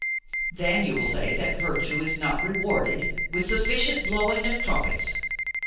Then you will say that virtue is not rewarded with sufficient blowing of trumpets.